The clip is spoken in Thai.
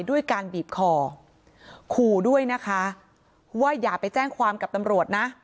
ด้วยการบีบคอขู่ด้วยนะคะว่าอย่าไปแจ้งความกับตำรวจนะ